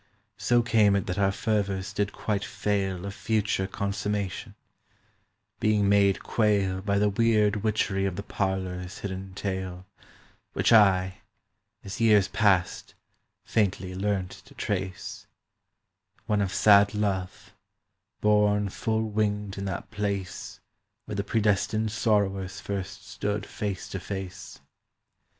So came it that our fervours Did quite fail Of future consummation— Being made quail By the weird witchery of the parlour's hidden tale, Which I, as years passed, faintly Learnt to trace,— One of sad love, born full winged In that place Where the predestined sorrowers first stood face to face.